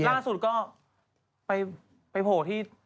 ล่าสุดก็ไปโผล่ที่